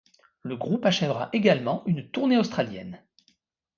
Le groupe achèvera également une tournée australienne.